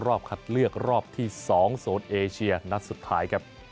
รอบคัดเลือกรอบที่๒โซนเอเชียนัดสุดท้ายครับ